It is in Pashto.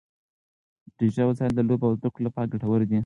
ډیجیټل وسایل د لوبو او زده کړو لپاره ګټور دي.